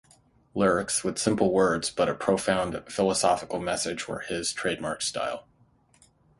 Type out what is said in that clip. Lyrics with simple words but a profound philosophical message were his trademark style.